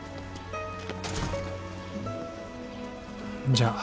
じゃあ。